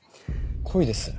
恋です。